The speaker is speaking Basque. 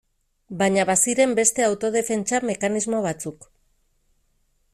Baina baziren beste autodefentsa mekanismo batzuk.